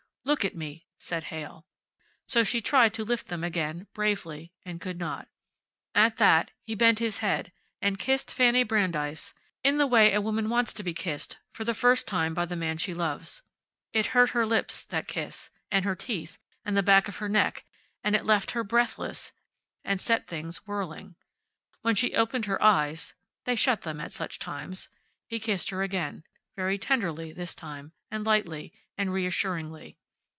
"Look at me," said Heyl. So she tried to lift them again, bravely, and could not. At that he bent his head and kissed Fanny Brandeis in the way a woman wants to be kissed for the first time by the man she loves. It hurt her lips, that kiss, and her teeth, and the back of her neck, and it left her breathless, and set things whirling. When she opened her eyes (they shut them at such times) he kissed her again, very tenderly, this time, and lightly, and reassuringly.